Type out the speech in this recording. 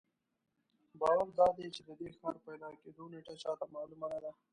باور دادی چې د دې ښار پیدا کېدو نېټه چا ته معلومه نه ده.